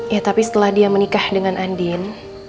ya tapi setelah dia menikah dengan andin